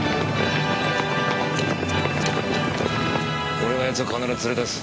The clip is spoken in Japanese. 俺がヤツを必ず連れ出す。